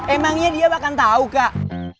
emangnya dia bahkan tahu kak